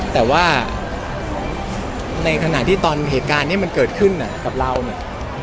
แต่ว่าในขณะที่ตอนเหตุการณ์นี้มันเกิดขึ้นกับเราเนี่ย